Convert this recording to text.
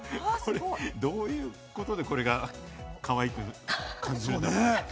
どういうことで、これがかわいいく感じるんだろう？